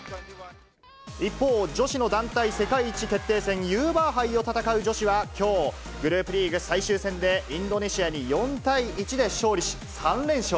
一方、女子の団体世界一決定戦、ユーバー杯を戦う女子はきょう、グループリーグ最終戦で、インドネシアに４対１で勝利し、３連勝。